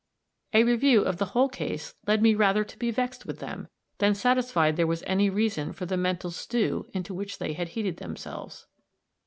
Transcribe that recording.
A review of the whole case led me rather to be vexed with them, than satisfied there was any reason for the mental "stew" into which they had heated themselves.